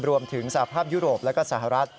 รวมถึงสภาพยุโรปและสหรัฐ